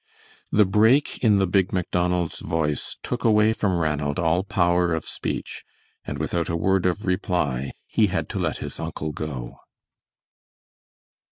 The break in the big Macdonald's voice took away from Ranald all power of speech, and without a word of reply, he had to let his uncle go.